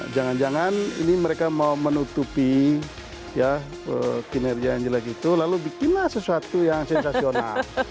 jangan jangan ini mereka mau menutupi kinerja yang jelek itu lalu bikinlah sesuatu yang sensasional